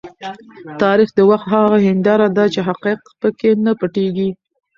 تاریخ د وخت هغه هنداره ده چې حقایق په کې نه پټیږي.